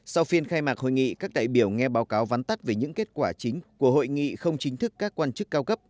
sau phiên khai mạc hội nghị các đại biểu nghe báo cáo vắn tắt về những kết quả chính của hội nghị không chính thức các quan chức cao cấp